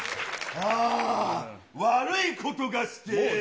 ああ、悪いことがしてぇ。